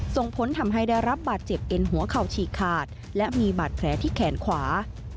ส่งผลทำให้ได้รับบาดเจ็บเอ็นหัวเข่าฉีกขาดและมีบาดแผลที่แขนขวา